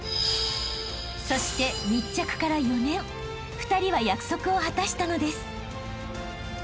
［そして密着から４年２人は約束を果たしたのです］